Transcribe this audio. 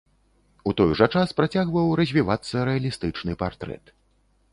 У той жа час працягваў развівацца рэалістычны партрэт.